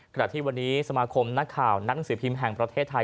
ขณะที่วันนี้สมาคมนักข่าวนักหนังสือพิมพ์แห่งประเทศไทย